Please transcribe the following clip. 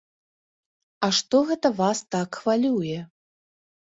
А што гэта вас так хвалюе?